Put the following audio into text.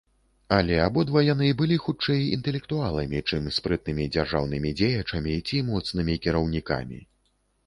Але абодва яны былі хутчэй інтэлектуаламі, чым спрытнымі дзяржаўнымі дзеячамі ці моцнымі кіраўнікамі.